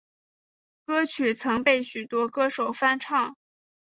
歌曲曾被许多歌手翻唱。